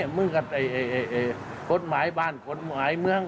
มึงกับกฎหมายบ้านกฎหมายเมือง